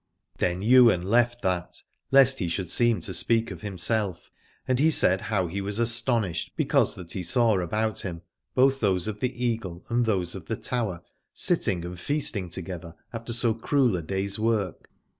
Then Ywain left that, lest he should seem to speak of himself, and he said how he was astonished because that he saw about him both those of the Eagle and those of the Tower, sitting and feasting together after so cruel a day's work.